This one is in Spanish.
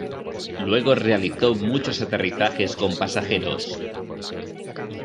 Luego realizó muchos aterrizajes con pasajeros.